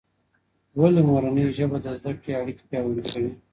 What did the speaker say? ولي مورنۍ ژبه د زده کړي اړيکي پياوړې کوي؟